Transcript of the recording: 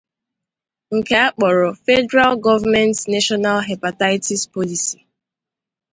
nke a kpọrọ 'Federal Government National Hepatitis Policy'.